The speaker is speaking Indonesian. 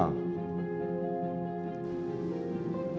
saya tidak tahu mulia